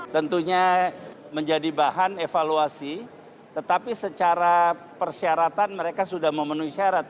tentunya menjadi bahan evaluasi tetapi secara persyaratan mereka sudah memenuhi syarat